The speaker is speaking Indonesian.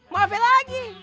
mau apa lagi